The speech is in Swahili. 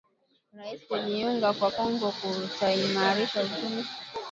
Rais kujiunga kwa Kongo kutaimarisha uchumi